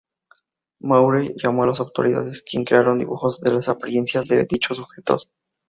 Maurer llamó a las autoridades, quien crearon dibujos de las apariencias de dichos sujetos.